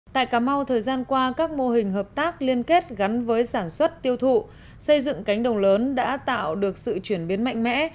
tại cà mau thời gian qua các mô hình hợp tác liên kết gắn với sản xuất tiêu thụ xây dựng cánh đồng lớn đã tạo được sự chuyển biến mạnh mẽ